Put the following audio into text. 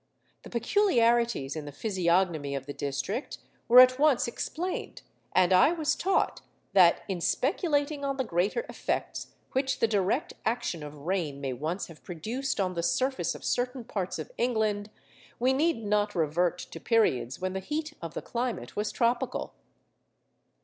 The peculiarities in the physiognomy of the district were at once explained; and I was taught that, in speculating on the greater effects which the direct action of rain may once have produced on the surface of certain parts of England, we need not revert to periods when the heat of the climate was tropical.